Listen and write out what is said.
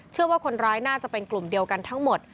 เชื่อว่าคนร้ายน่าจะเป็นกลุ่มเดียวกันทั้งหมด